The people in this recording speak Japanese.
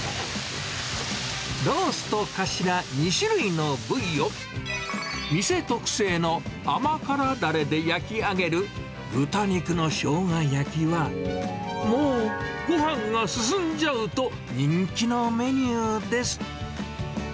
ロースとカシラ、２種類の部位を店特製の甘辛だれで焼き上げる豚肉のショウガ焼きは、もうごはんが進んじゃうと、人気のメニューです。